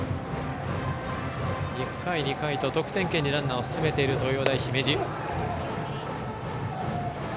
１回、２回と得点圏にランナーを進めている